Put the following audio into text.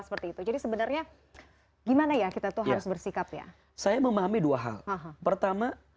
seperti itu jadi sebenarnya gimana ya kita tuh harus bersikap ya saya memahami dua hal pertama